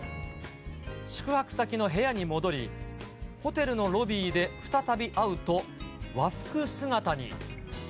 宿泊先の部屋に戻り、ホテルのロビーで再び会うと、和服姿に。